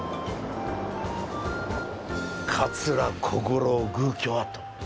桂小五郎寓居跡。